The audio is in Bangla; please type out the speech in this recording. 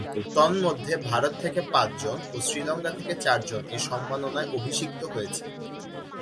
তন্মধ্যে ভারত থেকে পাঁচজন ও শ্রীলঙ্কা থেকে চারজন এ সম্মাননায় অভিষিক্ত হয়েছেন।